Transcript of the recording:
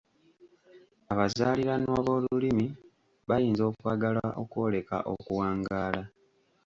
Abazaaliranwa b’olulimi bayinza okwagala okwoleka okuwangaala.